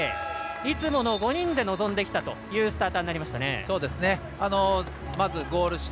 いつもの５人で挑んできたスターターになりました。